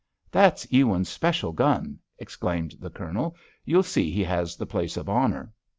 "That's Ewins's special gun," explained the Colonel. "You'll see he has the place of honour."